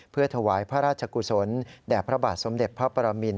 เพื่อถวายพระราชกุศลแด่พระบาทสมเด็จพระปรมิน